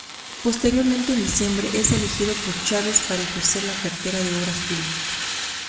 Posteriormente en diciembre, es elegido por Chávez para ejercer la cartera de Obras Públicas.